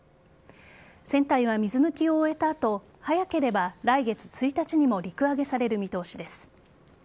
船体は水抜きを終えた後早ければ来月１日にも陸揚げされる見通しです。